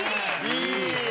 いい。